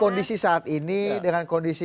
kondisi saat ini dengan kondisi